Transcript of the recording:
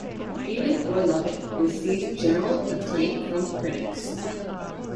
"Hate It or Love It" received general acclaim from critics.